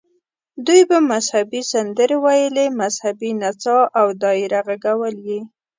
دوی به مذهبي سندرې ویلې، مذهبي نڅا او دایره غږول یې.